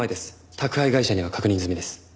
宅配会社には確認済みです。